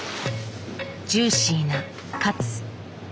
ジューシーなカツ。